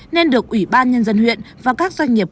nên được ủy ban nhân dân huyện và các doanh nghiệp